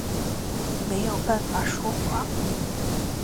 没有办法说话